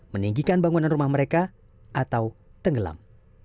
meninggikan bangunan rumah mereka atau tenggelam